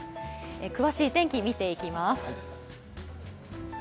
詳しい天気を見ていきます。